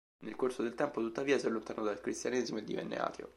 Nel corso del tempo, tuttavia, si allontanò dal cristianesimo e divenne ateo.